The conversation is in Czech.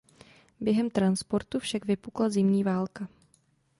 Během transportu však vypukla Zimní válka.